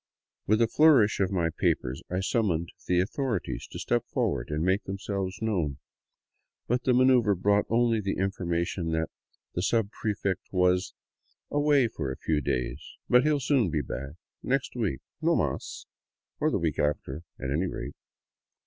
With a flourish of my papers I summoned the " authorities " to step forward and make themselves known; but the manoeuver brought only the information that the subprefect was " away for a ■ few days, but he '11 soon be back, next week, no mas, or the week after, at any rate.